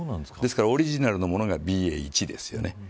ですから、オリジナルのものがＢＡ．１です。